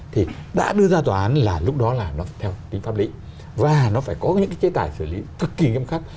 thì đã đưa ra tòa án là lúc đó là nó theo tính pháp lý và nó phải có những cái chế tài xử lý cực kỳ nghiêm khắc